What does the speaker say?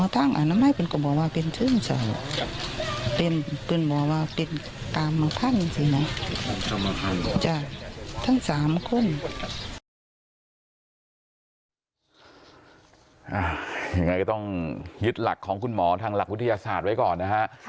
ยังไงก็ต้องยึดหลักของคุณหมอทางหลักวิทยาศาสตร์ไว้ก่อนนะฮะ